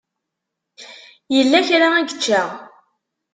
Yella kra i yečča?